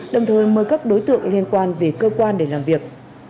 đồng thời mời các đối tượng liên quan về cơ quan để làm việc